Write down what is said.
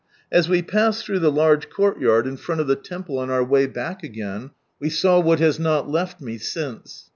As we passed through the large courtyard in front of the temple on our way back again, we saw what has not left me since.